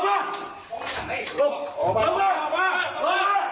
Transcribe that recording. ครบ